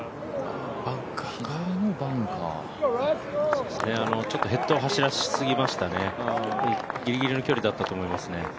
バンカーかちょっとヘッドを走らせすぎましたね、ギリギリの距離だったと思いますね。